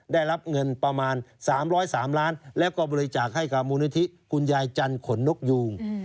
ได้รับเงินประมาณ๓๐๓ล้านแล้วก็บริจาคให้กับมูลนิธิคุณยายจันขนนกยูง